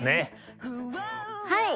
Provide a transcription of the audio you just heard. はい！